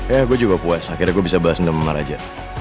eh gue juga puas akhirnya gue bisa bahas dengan mama raja